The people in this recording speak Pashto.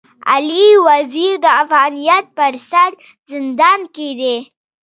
علي وزير د افغانيت پر سر زندان کي دی.